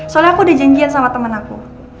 soalnya aku udah janjian sama temen aku